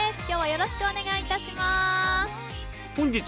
今日はよろしくお願いいたします。